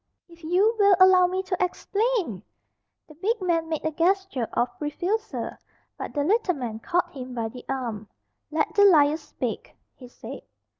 "If you will allow me to explain!" The big man made a gesture of refusal. But the little man caught him by the arm. "Let the liar speak," he said.